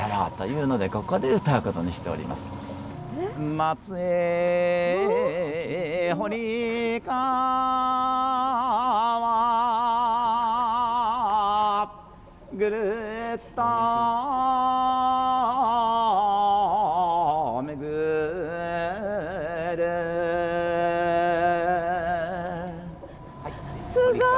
松江堀川ぐるっと巡るすごい！